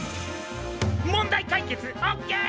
問題解決オッケー！